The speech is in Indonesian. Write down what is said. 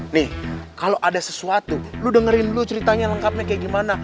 nih kalau ada sesuatu lu dengerin lu ceritanya lengkapnya kayak gimana